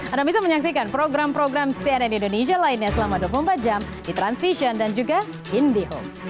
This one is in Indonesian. anda bisa menyaksikan program program cnn indonesia lainnya selama dua puluh empat jam di transvision dan juga indihome